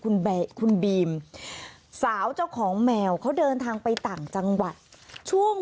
คุณบีมสาวเจ้าของแมวเขาเดินทางไปต่างจังหวัดช่วง